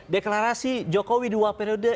deklarasi jokowi dua periode